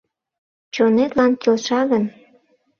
Чонетлан келша гын.